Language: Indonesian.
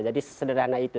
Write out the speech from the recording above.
jadi sederhana itu